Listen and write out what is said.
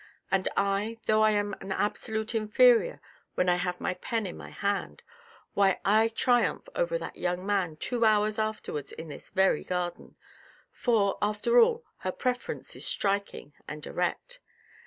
And I, though I am an absolute inferior when I have my pen in my hand, why, I triumph over that young man two hours afterwards in this very garden ; for, after all, her preference is striking and direct.